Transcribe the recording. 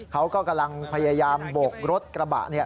เขาก็กำลังพยายามโบกรถกระบะ